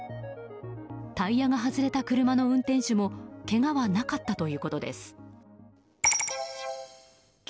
タイヤが外れた車の運転手もけがはなかったということです。